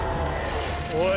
おい